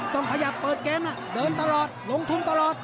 ต้องขยับเปิดเกมเดินตลอดลงทุนตลอด